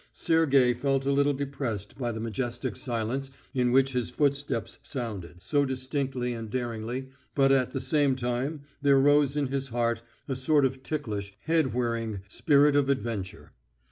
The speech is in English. Sergey felt a little depressed by the majestic silence in which his footsteps sounded so distinctly and daringly, but at the same time there rose in his heart a sort of ticklish, head whirling, spirit of adventure.